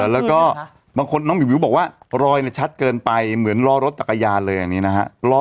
แล้วก็บางคนน้องวิวบอกว่ารอยชัดเกินไปเหมือนล้อรถจักรยานเลยอย่างนี้นะฮะ